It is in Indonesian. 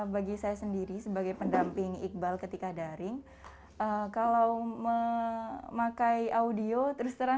bagi saya sendiri sebagai pendamping iqbal ketika ada